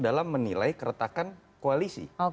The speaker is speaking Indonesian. dalam menilai keretakan koalisi